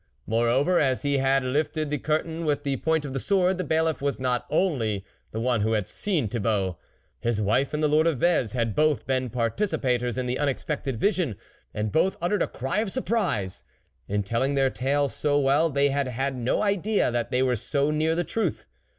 Moreover as he had lifted the cur tain with the point of the sword, the Bailiff was not the only one who had seen Thi bault. His wife and the Lord of Vez had both been participators in the unexpected vision, and both uttered a cry of surprise. In telling their tale so well, they had had no idea that they were so near the truth.